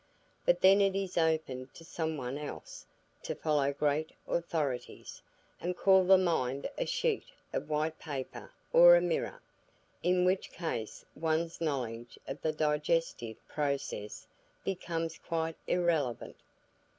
But then it is open to some one else to follow great authorities, and call the mind a sheet of white paper or a mirror, in which case one's knowledge of the digestive process becomes quite irrelevant.